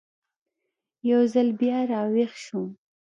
یو ځل بیا را ویښ شوم.